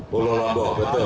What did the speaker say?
pulau lombok betul